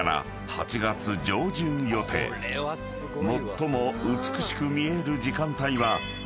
［最も美しく見える時間帯は］